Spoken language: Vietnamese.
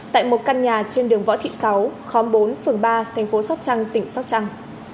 tại một căn nhà trên đường võ thị sáu khóm bốn phường ba thành phố sóc trăng tỉnh sóc trăng